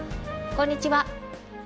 こんにちは。